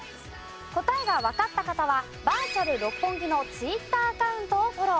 答えがわかった方はバーチャル六本木のＴｗｉｔｔｅｒアカウントをフォロー。